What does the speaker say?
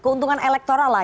keuntungan elektoral lah